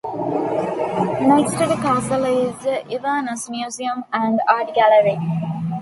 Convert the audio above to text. Next to the castle is the Inverness Museum and Art Gallery.